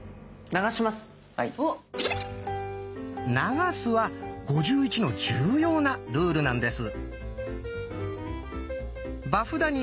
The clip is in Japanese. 「流す」は「５１」の重要なルールなんです。